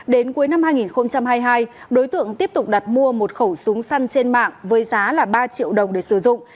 đến cuối năm hai nghìn hai mươi hai đối tượng tiếp tục đặt mua một khẩu súng săn trên mạng với giá ba triệu đồng để sử dụng